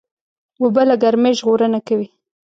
اوبه له ګرمۍ ژغورنه کوي.